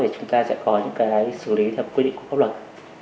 chúng ta sẽ có những sử lý theo quy định của quốc luật